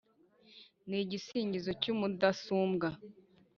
Ni igisingizo cy'umudasumbwa.